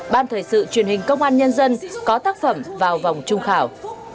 ban thời sự truyền hình công an nhân dân có tác phẩm vào vòng trung khảo